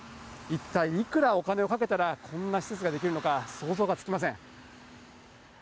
一体いくらお金をかけたらこんな施設が出来るのか、想像がつきません。